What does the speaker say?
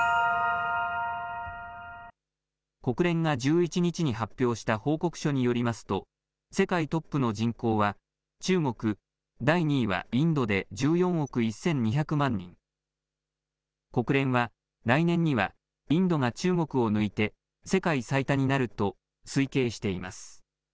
国連が１１日に発表した報告書によりますと、世界トップの人口は中国、第２位はインドで１４億１２００万人、国連は、来年にはインドが中国を抜いて世界最多になると推計しています。